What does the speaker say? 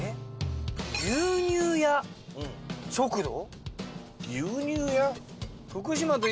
「牛乳屋食堂」。